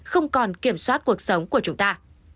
không còn kiểm soát cuộc sống của chúng ta